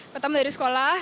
pertama dari sekolah